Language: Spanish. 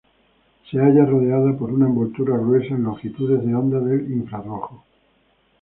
Se halla rodeada por una envoltura gruesa en longitudes de onda del infrarrojo.